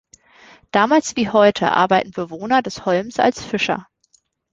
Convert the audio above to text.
Damals wie heute arbeiten Bewohner des Holms als Fischer.